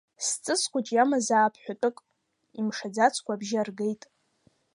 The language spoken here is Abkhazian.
Сҵыс хәыҷ иамазаап ҳәатәык, имшаӡацкәа абжьы аргеит.